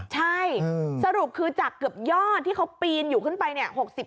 ใช่สรุปคือจากเกือบยอดที่เขาปีนอยู่ขึ้นไปเนี่ย